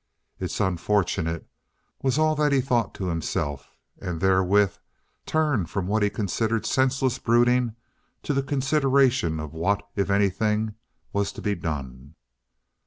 "It's unfortunate," was all that he thought to himself, and therewith turned from what he considered senseless brooding to the consideration of what, if anything, was to be done.